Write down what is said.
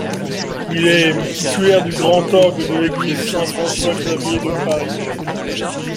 Il est titulaire du grand orgue de l'église Saint-François-Xavier de Paris.